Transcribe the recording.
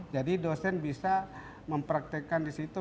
jadi dosen bisa mempraktekan di situ